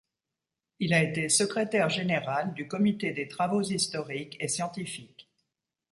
Il a été secrétaire général du Comité des travaux historiques et scientifiques.